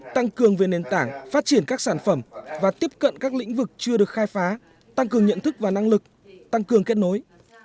tăng cường về nền tảng phát triển các sản phẩm và tiếp cận các lĩnh vực chưa được khai phá tăng cường nhận thức và năng lực tăng cường kết nối